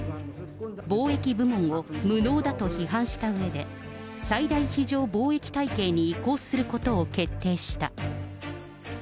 防疫部門を無能だと批判したうえで、最大非常防疫体系に移行することを決定した。